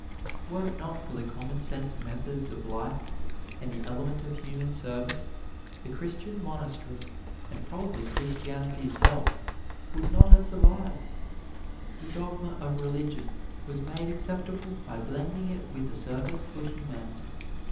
Were it not for the commonsense methods of life, and the element of human service, the Christian monastery and probably Christianity itself would not have survived. The dogma of religion was made acceptable by blending it with a service for humanity.